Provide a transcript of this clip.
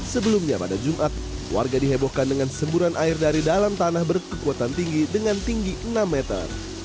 sebelumnya pada jumat warga dihebohkan dengan semburan air dari dalam tanah berkekuatan tinggi dengan tinggi enam meter